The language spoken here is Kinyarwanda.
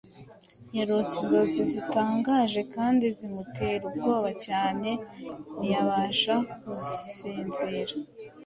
yarose inzozi zitangaje, kandi zimutera ubwoba cyane ntiyabasha gusinzira